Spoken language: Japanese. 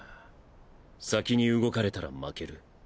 先に動かれたら敗ける。